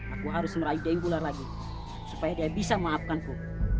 aku harus meraih daeng bular lagi supaya dia bisa maafkan ku